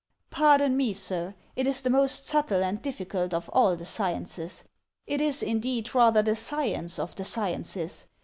"Pardon me, sir. It is the most subtle and difficult of all the sciences. It is, indeed, rather the science of the sciences.